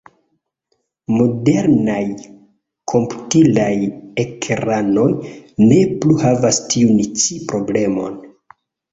Modernaj komputilaj ekranoj ne plu havas tiun ĉi problemon.